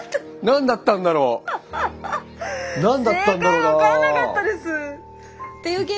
何だったんだろうな。